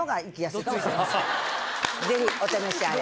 ぜひお試しあれ。